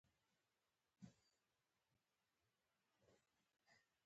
موږ باید تبعیض ختم کړو ، ترڅو افغانستان اباد شي.